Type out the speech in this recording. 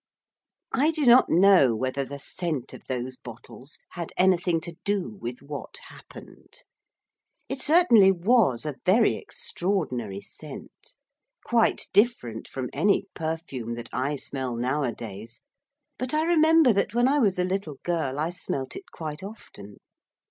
I do not know whether the scent of those bottles had anything to do with what happened. It certainly was a very extraordinary scent. Quite different from any perfume that I smell nowadays, but I remember that when I was a little girl I smelt it quite often.